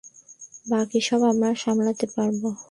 বাকি সব আমরা সামলাতে পারব।